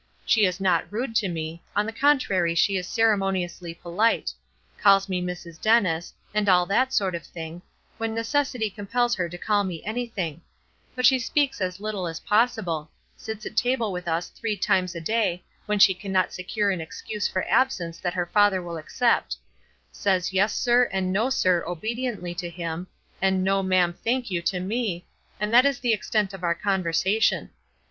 She is not rude to me, on the contrary she is ceremoniously polite; calls me Mrs. Dennis, and all that sort of thing, when necessity compels her to call me anything; but she speaks as little as possible; sits at table with us three times a day, when she cannot secure an excuse for absence that her father will accept; says 'Yes, sir,' and 'No, sir,' obediently to him, and 'No, ma'am, thank you,' to me, and that is the extent of our conversation.